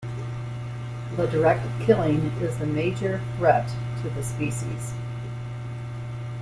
The direct killing is the major threat to the species.